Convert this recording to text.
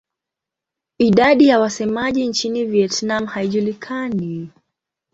Idadi ya wasemaji nchini Vietnam haijulikani.